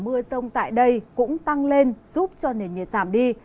mưa rông tại đây cũng tăng lên giúp cho nền nhiệt giảm đi